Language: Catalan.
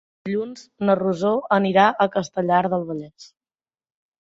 Dilluns na Rosó anirà a Castellar del Vallès.